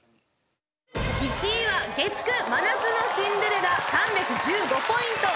１位は月９『真夏のシンデレラ』３１５ポイント。